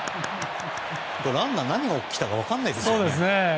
ランナー何が起きたか分からないですね。